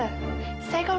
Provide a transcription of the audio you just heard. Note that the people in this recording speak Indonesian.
saya kalau udah beritahu